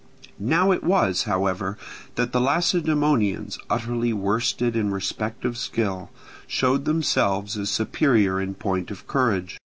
Now it was, however, that the Lacedaemonians, utterly worsted in respect of skill, showed themselves as superior in point of courage.